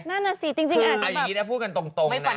นั่นอ่ะสิจริงอาจจะแบบไม่ฝันทง